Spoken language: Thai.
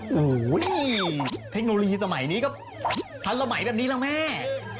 โหนี่เทคโนโลยีสมัยนี้ก็ทันละใหม่แบบนี้ล่ะแม่